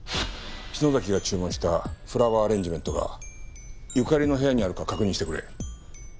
篠崎が注文したフラワーアレンジメントが由香利の部屋にあるか確認してくれ。